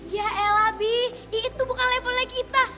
ya ella pi itu bukan levelnya kita